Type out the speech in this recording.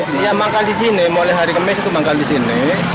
dia manggal di sini mulai hari kemes itu manggal di sini